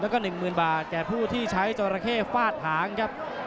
ก็หนึ่งหมื่นบาทแก่ผู้ที่ใช้จราเข้ฟาดถางครับ